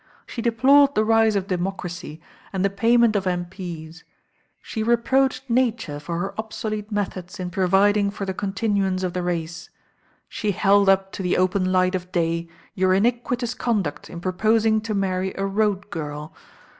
She deplored the rise of democracy and the payment tOft THE RAIN OIRL of M.P.'ft. She reproached Nature for her obiolete methods in providing for the continuance of the race. She held up to the open light of day your iniquitous conduct in, proposing to marry a road |prl.